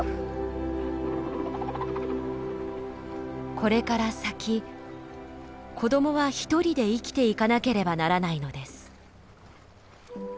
これから先子供は一人で生きていかなければならないのです。